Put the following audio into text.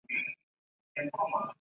盟军对其为兰迪。